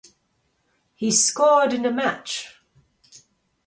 He scored in the match.